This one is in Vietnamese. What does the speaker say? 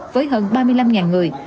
với hơn ba mươi năm người